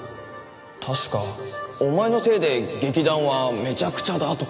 確か「お前のせいで劇団はめちゃくちゃだ」とか。